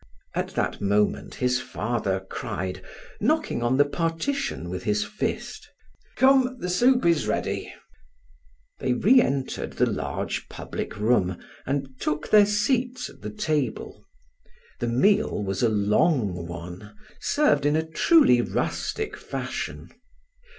At that moment his father cried, knocking on the partition with his fist: "Come, the soup is ready." They re entered the large public room and took their seats at the table. The meal was a long one, served in a truly rustic fashion.